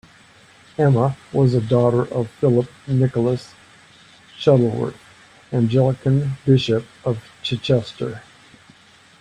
Emma was a daughter of Philip Nicholas Shuttleworth, Anglican bishop of Chichester.